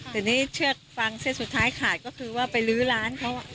แต่นี่เชือกฟางเส้นสุดท้ายขาดก็คือว่าไปลื้อร้านเขา